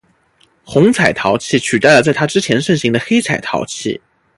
红彩陶器取代了在它之前盛行的黑彩陶器。